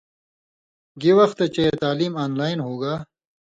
گی وختہ چےۡ تعلیم آن لائن ہُوگا